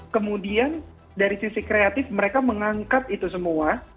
kemudian dari sisi kreatif mereka mengangkat itu semua